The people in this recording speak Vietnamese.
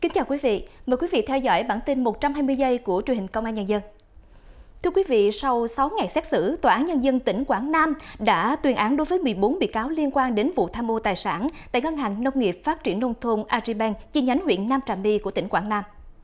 các bạn hãy đăng ký kênh để ủng hộ kênh của chúng mình nhé